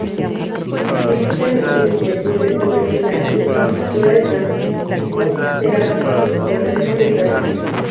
Existen inquietudes sobre si la infraestructura de tránsito será capaz de soportar este desarrollo.